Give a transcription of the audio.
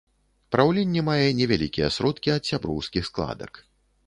Праўленне мае невялікія сродкі ад сяброўскіх складак.